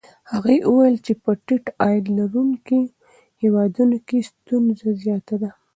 هغې وویل په ټیټ عاید لرونکو هېوادونو کې ستونزه زیاته ده.